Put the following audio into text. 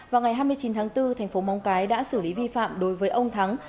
vào ngày hai mươi chín tháng bốn thành phố móng cái đã xử lý vi phạm đối với ông thắng